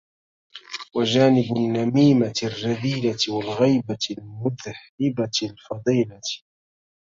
وجانب النميمية الرذيلة والغيبة المُذهبة الفضيلة